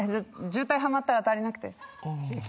渋滞はまったら足りなくて。